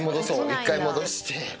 １回戻して。